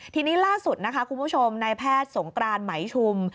ทีนี้ล่าสุดนะคะคุณผู้ชมนายแพทย์สงกรานไหมชุม